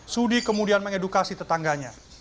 sudi kemudian mengedukasi tetangganya